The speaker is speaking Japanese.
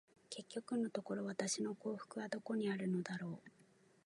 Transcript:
結局のところ、私の幸福はどこにあるのだろう。